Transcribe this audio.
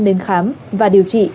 đến khám và điều trị